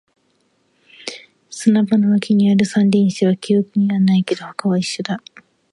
砂場の脇にある三輪車は記憶にはないけど、他は一緒だ